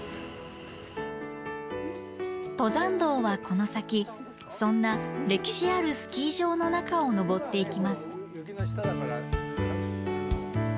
登山道はこの先そんな歴史あるスキー場の中を登っていきます。